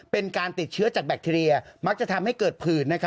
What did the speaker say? เป็นการติดเชื้อจากแบคทีเรียมักจะทำให้เกิดผื่น